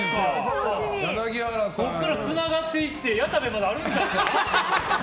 こっからつながっていって谷田部まであるんちゃう？